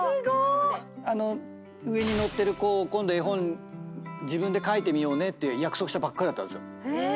上に乗ってる子今度絵本自分で描いてみようねって約束したばっかりだったんですよ。